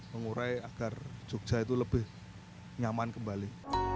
mengurai agar jogja itu lebih nyaman kembali